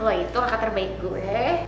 wah itu kakak terbaik gue